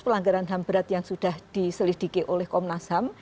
pelanggaran ham berat yang sudah diselidiki oleh komnas ham